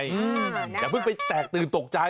อย่าเพิ่งไปแตกตื่นตกใจ